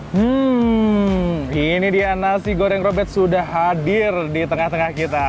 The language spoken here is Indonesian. hmm ini dia nasi goreng robert sudah hadir di tengah tengah kita